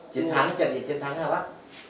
triển thắng trận gì triển thắng thế nào bác